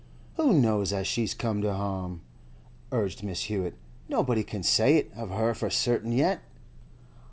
'Who know's as she's come to harm?' urged Mrs. Hewett. 'Nobody can say it of her for certain, yet.